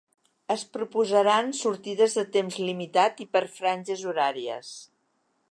Es proposaran sortides de temps limitat i per franges horàries.